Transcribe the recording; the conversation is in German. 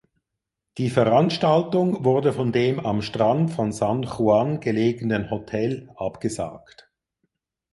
Die Veranstaltung wurde von dem am Strand von San Juan gelegenen Hotel abgesagt.